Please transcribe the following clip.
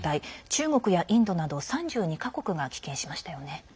中国やインドなど３２か国が棄権しましたよね。